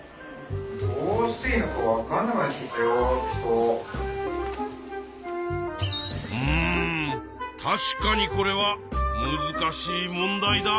うん確かにこれはむずかしい問題だ。